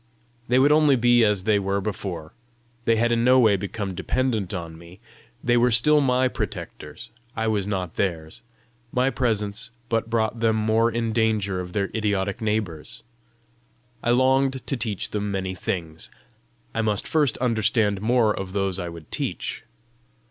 They would only be as they were before; they had in no way become dependent on me; they were still my protectors, I was not theirs; my presence but brought them more in danger of their idiotic neighbours! I longed to teach them many things: I must first understand more of those I would teach!